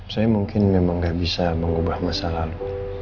saya mungkin memang gak bisa mengubah masa lalu